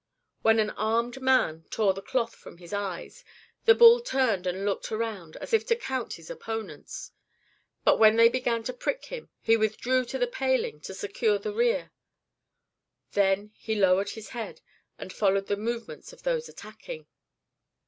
When an armed man tore the cloth from his eyes, the bull turned and looked around as if to count his opponents. But when they began to prick him, he withdrew to the paling to secure the rear; then he lowered his head and followed the movements of those attacking.